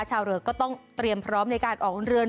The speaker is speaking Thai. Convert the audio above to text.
ชาวเรือก็ต้องเตรียมพร้อมในการออกเรือน